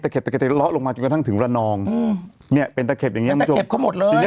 คุณขวดดำบอกไปว่า